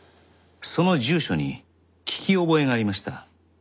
その住所に聞き覚えがありました。